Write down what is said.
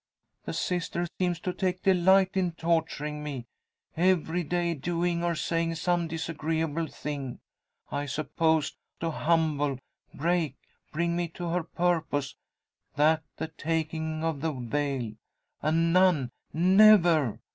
The Sister seems to take delight in torturing me every day doing or saying some disagreeable thing. I suppose, to humble, break, bring me to her purpose that the taking of the veil. A nun! Never!